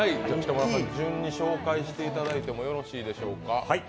順に紹介していただいてもよろしいでしょうか。